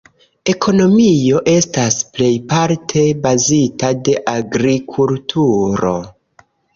Ekonomio estas plejparte bazita de agrikulturo.